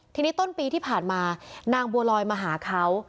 ทีนี้ต้นปีที่ผ่านมานางบัวลอยมาหาเขา